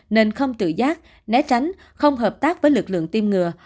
nên không tự giác né tránh không hợp tác với lực lượng tiêm ngừa